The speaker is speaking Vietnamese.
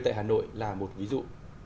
tại hà nội là một ví dụ